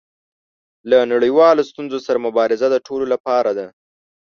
له نړیوالو ستونزو سره مبارزه د ټولو لپاره ده.